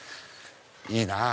いいなぁ。